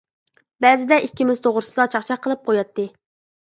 بەزىدە ئىككىمىز توغرىسىدا چاقچاق قىلىپ قوياتتى.